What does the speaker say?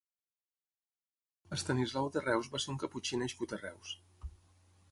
Estanislau de Reus va ser un caputxí nascut a Reus.